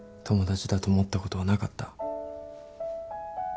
友達だと思ったことはなかった？